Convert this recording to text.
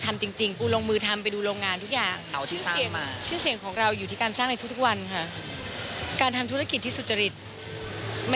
ไม่ได้ทำร้ายชื่อเสียงนะฮะ